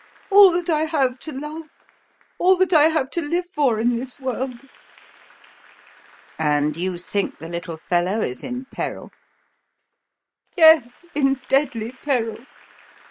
All that I have to love all that I have to live for in this world." "And you think the little fellow is in peril?" "Yes in deadly peril."